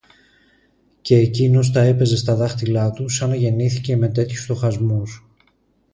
Κι εκείνος τα έπαιζε στα δάχτυλα του, σα να γεννήθηκε με τέτοιους στοχασμούς.